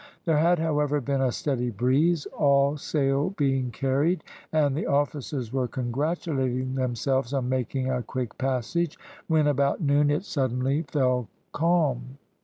There had, however, been a steady breeze, all sail being carried, and the officers were congratulating themselves on making a quick passage, when about noon it suddenly fell calm.